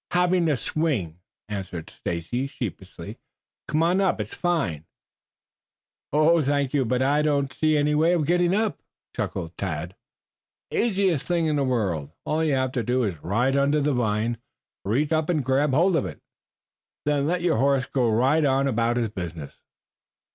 "Having a swing," answered Stacy sheepishly. "Come on up, it's fine." "Thank you, but I don't see any way of getting up," chuckled Tad. "Easiest thing in the world. All you have to do is to ride under the vine, reach up and grab hold of it, then let your horse go right on about his business."